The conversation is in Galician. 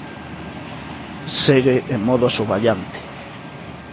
Segue en modo asoballante.